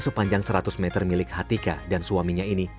dan nilai jualnya itu